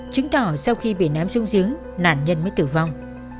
chứng tỏ sau khi bị ném xuống giếng nạn nhân mới tử vong